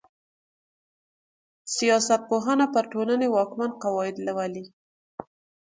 سياست پوهنه پر ټولني واکمن قواعد لولي.